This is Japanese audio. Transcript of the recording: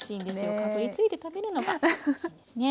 かぶりついて食べるのが。ね。